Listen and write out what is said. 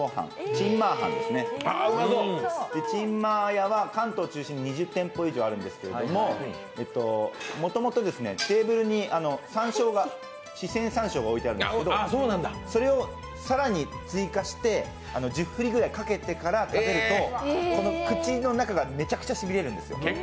家は関東を中心に２０店舗以上あるんですけどもともとテーブルに四川さんしょうが置いてあるんですけどそれを更に追加して１０振りくらいかけて食べるとこの口の中がめちゃくちゃしびれるんですよ。